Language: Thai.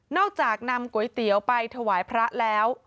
จากนำก๋วยเตี๋ยวไปถวายพระแล้ว